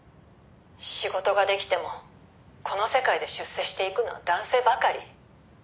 「仕事ができてもこの世界で出世していくのは男性ばかり」